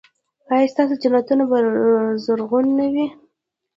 ایا ستاسو جنتونه به زرغون نه وي؟